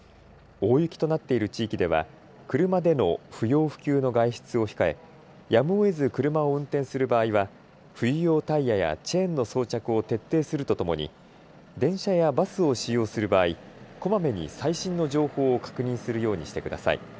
大雪となっている地域では車での不要不急の外出を控えやむをえず車を運転する場合は冬用タイヤやチェーンの装着を徹底するとともに電車やバスを使用する場合、こまめに最新の情報を確認するようにしてください。